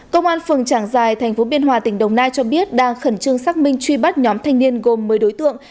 công an phường trảng giải tp biên hòa tỉnh đồng nai cho biết đang khẩn trương xác minh truy bắt nhóm thanh niên gồm một mươi đối tượng